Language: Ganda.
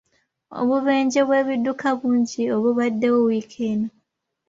Obubenje bw'ebidduka bungi obubaddewo wiiki eno.